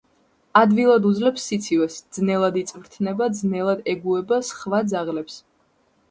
ადვილად უძლებს სიცივეს, ძნელად იწვრთნება, ძნელად ეგუება სხვა ძაღლებს.